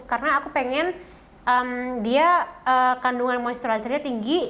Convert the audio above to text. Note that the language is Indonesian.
karena aku pengen dia kandungan moisturizernya tinggi